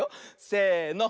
せの。